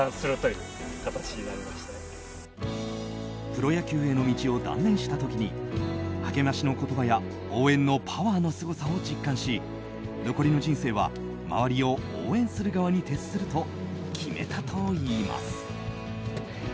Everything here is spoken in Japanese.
プロ野球への道を断念した時に励ましの言葉や応援のパワーのすごさを実感し残りの人生は周りを応援する側に徹すると決めたといいます。